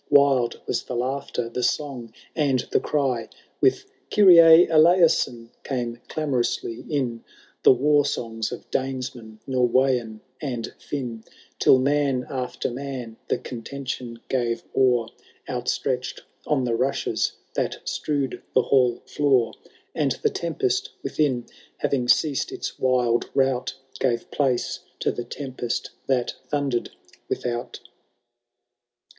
Wild was the laughter, the song, and the cry ; With Kyrie Eleison, came clamorously in The wai^songs of Danesmen, Norweyan, and Finn, Till man after man the contention gave o*er. Outstretched on the rushes that strewed the hall floor ; And the tempest within, having ceased its wild rout. Gave place to the tempest that thundered without.